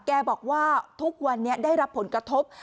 แกบอกว่าทุกวันนี้ได้รับผลกระทบ